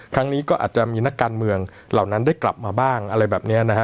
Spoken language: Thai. ครั้งนี้ก็อาจจะมีนักการเมืองเหล่านั้นได้กลับมาบ้างอะไรแบบนี้นะฮะ